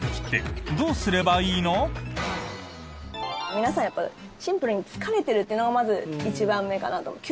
皆さん、やっぱりシンプルに疲れてるっていうのがまず１番目かなと思います。